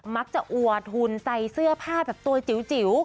มักจะอวดทุนใส่เสื้อผ้าแบบตัวจิ๋ว